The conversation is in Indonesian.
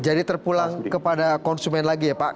jadi terpulang kepada konsumen lagi ya pak